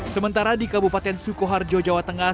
sementara di kabupaten sukoharjo jawa tengah